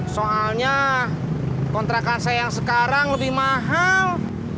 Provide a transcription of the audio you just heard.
soalnya kontrakan saya yang sekarang lebih mahal